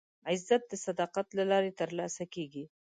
عزت د صداقت له لارې ترلاسه کېږي.